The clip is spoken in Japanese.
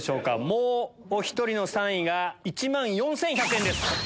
もうお１人の３位が１万４１００円です。